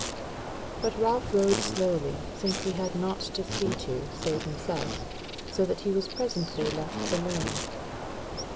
But Ralph rode slowly, since he had naught to see to, save himself, so that he was presently left alone.